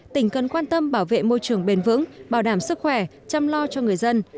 tỉnh cần quan tâm bảo vệ môi trường bền vững bảo đảm sức khỏe chăm lo cho người dân